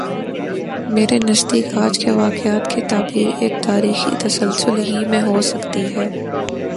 میرے نزدیک آج کے واقعات کی تعبیر ایک تاریخی تسلسل ہی میں ہو سکتی ہے۔